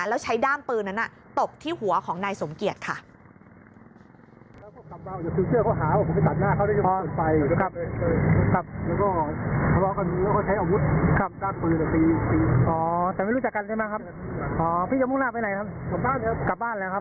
แล้วใช้ด้ามปืนนั้นตบที่หัวของนายสมเกียจค่ะ